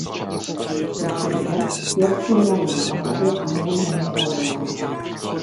Slyšeli je, jak si hrají na zahradě, a hned na ně zavolali.